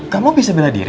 kamu bisa beladiri